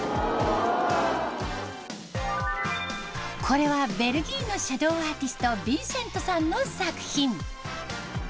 これはベルギーのシャドウアーティストビィンセントさんの作品。